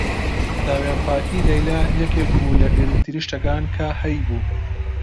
داوێنپاکیی لەیلا یەکێک بوو لە گرنگترین شتەکان کە هەیبوو.